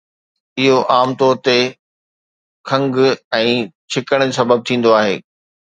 اهو عام طور تي کنگهه ۽ ڇڪڻ سبب ٿيندو آهي